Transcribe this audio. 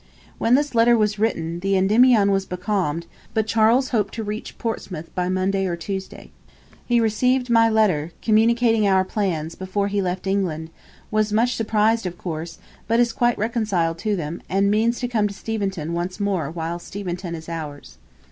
'When this letter was written, the "Endymion" was becalmed, but Charles hoped to reach Portsmouth by Monday or Tuesday. He received my letter, communicating our plans, before he left England; was much surprised, of course, but is quite reconciled to them, and means to come to Steventon once more while Steventon is ours.'